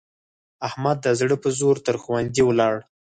احمد د زړه په زور تر ښوونځي ولاړ.